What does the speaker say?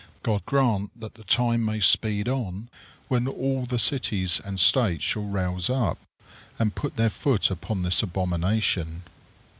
God grant that the time may speed on when all the cities and States shall rouse up, and put their foot upon this abomination.